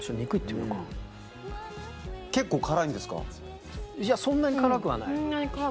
うんそんなに辛くない。